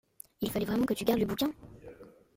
Il fallait vraiment que tu gardes le bouquin ?